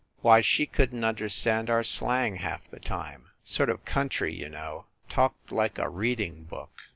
Why, she couldn t understand our slang half the time. Sort of country, you know. Talked like a reading book.